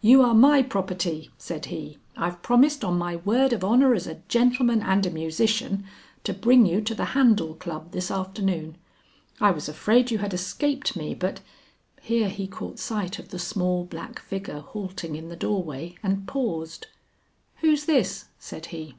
"You are my property," said he. "I've promised, on my word of honor as a gentleman and a musician, to bring you to the Handel Club this afternoon. I was afraid you had escaped me, but " Here he caught sight of the small black figure halting in the door way, and paused. "Who's this?" said he.